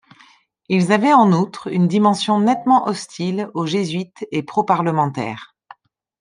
Ils avaient en outre une dimension nettement hostile aux Jésuites et pro-parlementaire.